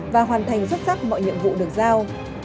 và hoàn thành xuất sắc mọi nhiệm vụ được giao